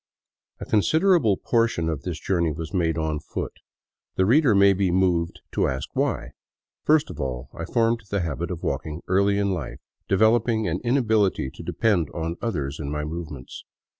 A considerable portion of this journey was made on foot. The reader may be moved to ask why. First of all, I formed the habit of walking early in life, developing an inability to depend on others in my movements.